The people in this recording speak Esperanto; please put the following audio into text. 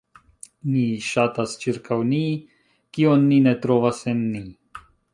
Ni ŝatas ĉirkaŭ ni, kion ni ne trovas en ni.